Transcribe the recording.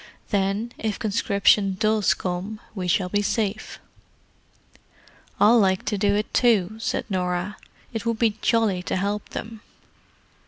Then, if conscription does come, we shall be safe." "I'll like to do it, too," said Norah. "It would be jolly to help them."